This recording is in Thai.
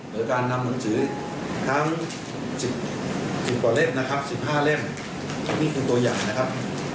โดยการนำหนังสือทั้ง๑๐กว่าเล่มนะครับ๑๕เล่มนี่คือตัวอย่างนะครับ